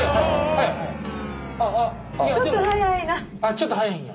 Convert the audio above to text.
ちょっと早いんや。